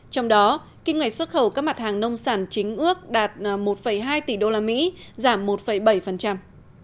trong đó kinh ngạch xuất khẩu các mặt hàng nông sản chính ước đạt một hai tỷ usd giảm một bảy